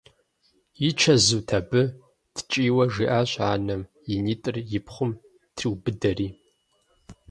И чэзут абы?! – ткӀийуэ жиӀащ анэм, и нитӀыр и пхъум триубыдэри.